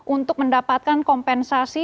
untuk mendapatkan kompensasi